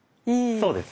そうです。